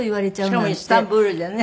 しかもイスタンブールでね。